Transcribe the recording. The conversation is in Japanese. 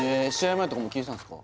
前とかも聴いてたんすか？